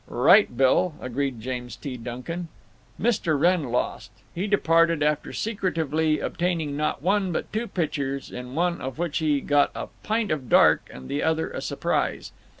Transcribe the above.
"Right, Bill," agreed James T. Duncan. Mr. Wrenn lost. He departed, after secretively obtaining not one, but two pitchers, in one of which he got a "pint of dark" and in the other a surprise.